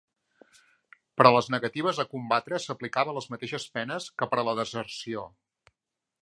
Per a les negatives a combatre s'aplicaven les mateixes penes que per a la deserció.